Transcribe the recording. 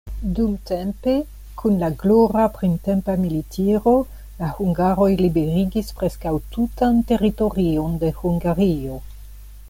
Dumtempe, kun la glora printempa militiro, la hungaroj liberigis preskaŭ tutan teritorion de Hungario.